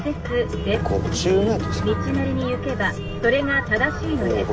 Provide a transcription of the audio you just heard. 「道なりに行けばそれが正しいのです」。